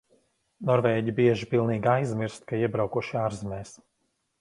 Norvēģi bieži pilnīgi aizmirst, ka iebraukuši ārzemēs.